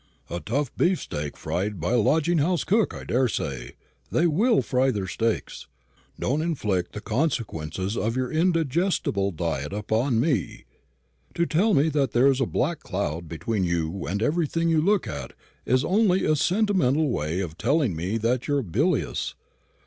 "A tough beefsteak fried by a lodging house cook, I daresay they will fry their steaks. Don't inflict the consequences of your indigestible diet upon me. To tell me that there's a black cloud between you and everything you look at, is only a sentimental way of telling me that you're bilious.